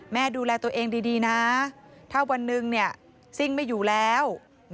ดูแลตัวเองดีนะถ้าวันหนึ่งซิ่งไม่อยู่แล้ว